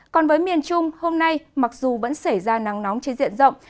còn với miền trung hôm nay mặc dù vẫn xảy ra nắng nóng trên diện rộng